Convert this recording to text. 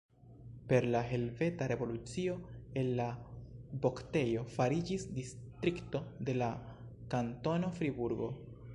Per la Helveta Revolucio el la voktejo fariĝis distrikto de la kantono Friburgo.